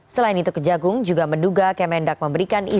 selain itu kejagung juga menduga kemendak memberikan informasi